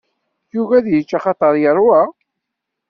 Yugi ad yečč axaṭer yerwa.